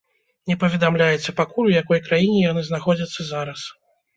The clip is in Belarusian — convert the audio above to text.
Не паведамляецца пакуль, у якой краіне яны знаходзяцца зараз.